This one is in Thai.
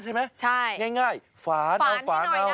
ใช่ง่ายฝานเอาไว้น้อยนะคะ